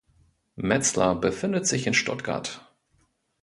Metzler befindet sich in Stuttgart.